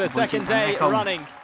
với chiến thắng hai